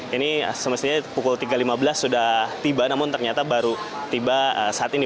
ini semestinya pukul tiga lima belas sudah tiba namun ternyata baru tiba saat ini